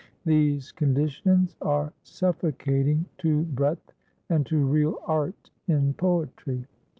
These conditions are suffocating to breadth and to real art in poetry.